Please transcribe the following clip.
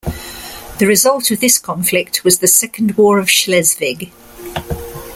The result of this conflict was the Second War of Schleswig.